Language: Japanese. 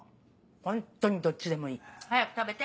ホントにどっちでもいい早く食べて。